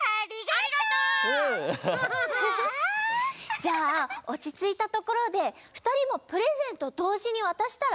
じゃあおちついたところでふたりもプレゼントどうじにわたしたら？